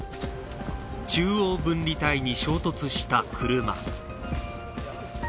中央分離帯に衝突した車。